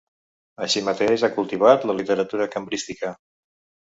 Així mateix ha cultivat la literatura cambrística.